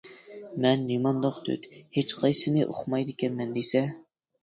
مەن نېمانداق دۆت، ھېچقايسىسىنى ئۇقمايدىكەنمەن دېسە.